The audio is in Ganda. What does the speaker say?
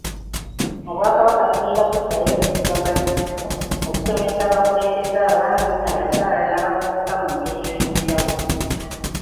Mu Bwakabaka tugenda kuddayo tuli bamalirivu okusomesa abakulembeze, abaami, abakyala n'abavubuka mu ngeri ey'enjawulo.